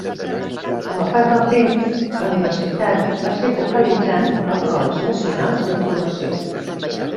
Amb el pas del temps, la universitat va ser focalitzant els rols nacionals d'informació.